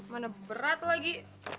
mana berat lagi